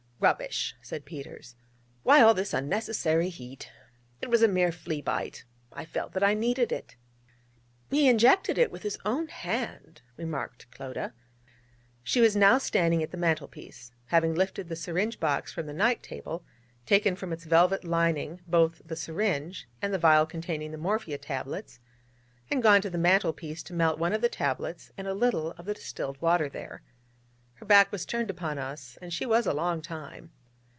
'Rubbish,' said Peters: 'why all this unnecessary heat? It was a mere flea bite. I felt that I needed it.' 'He injected it with his own hand...' remarked Clodagh. She was now standing at the mantel piece, having lifted the syringe box from the night table, taken from its velvet lining both the syringe and the vial containing the morphia tablets, and gone to the mantel piece to melt one of the tablets in a little of the distilled water there. Her back was turned upon us, and she was a long time.